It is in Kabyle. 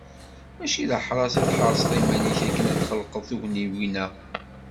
Mačči d aḥras i tḥerseḍ iman-ik akken ad d-txelqeḍ tugniwin-a.